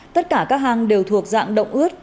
tất cả các hang đều thuộc dạng động ướt